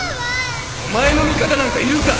お前の味方なんかいるか！